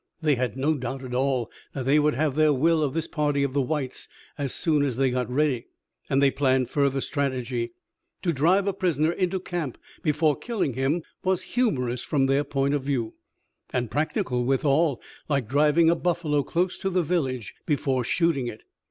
They had no doubt at all that they would have their will of this party of the whites as soon as they got ready, and they planned further strategy. To drive a prisoner into camp before killing him was humorous from their point of view, and practical withal, like driving a buffalo close to the village before shooting it.